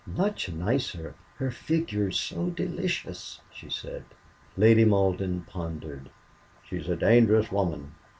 "Much nicer. Her figure's so delicious," she said. Lady Malden pondered. "She's a dangerous woman.